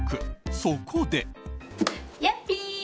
そこで。